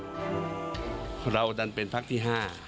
เพราะเราอันดันเป็นภักษ์ที่๕